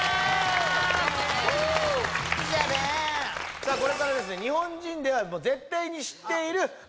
さあこれからですね